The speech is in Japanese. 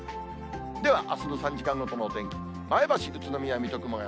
ではあすの３時間ごとのお天気、前橋、宇都宮、水戸、熊谷。